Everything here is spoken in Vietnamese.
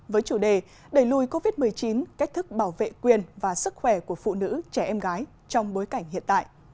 với chủ đề đẩy lùi covid một mươi chín cách thức bảo vệ quyền và sức khỏe của phụ nữ trẻ em gái trong bối cảnh hiện tại